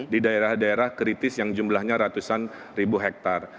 di daerah daerah kritis yang jumlahnya ratusan ribu hektare